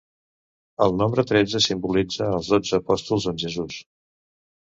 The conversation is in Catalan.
El nombre tretze simbolitza els dotze apòstols amb Jesús.